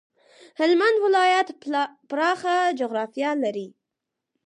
هلمند ولایت پراخه جغرافيه لري.